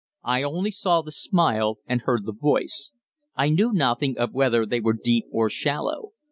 I only saw the smile and heard the voice; I knew nothing of whether they were deep or shallow.